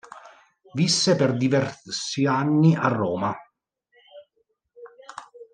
Visse per diversi anni a Roma.